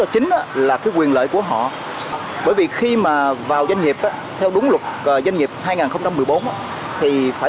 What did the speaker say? chính là cái quyền lợi của họ bởi vì khi mà vào doanh nghiệp theo đúng luật doanh nghiệp hai nghìn một mươi bốn thì phải